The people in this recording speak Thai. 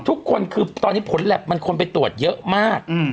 ทุกคนคือตอนนี้ผลแล็บมันคนไปตรวจเยอะมาก